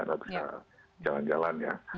nggak bisa jalan jalan ya